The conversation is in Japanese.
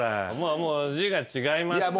もう字が違いますから。